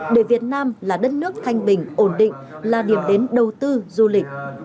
để việt nam là đất nước thanh bình ổn định là điểm đến đầu tư du lịch